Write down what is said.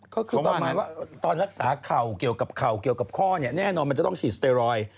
คือตอนรักษาเข่าเกี่ยวกับเข่าเกี่ยวกับข้อแน่นอนมันจะต้องฉีดสเตอรอย